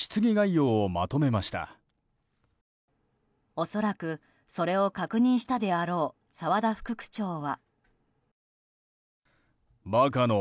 おそらく、それを確認したであろう澤田副区長は。